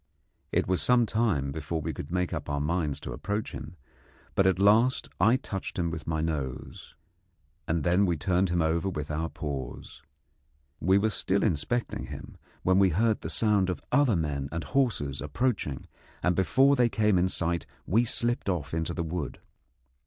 It was some time before we could make up our minds to approach him, but at last I touched him with my nose, and then we turned him over with our paws. We were still inspecting him, when we heard the sound of other men and horses approaching, and before they came in sight we slipped off into the wood.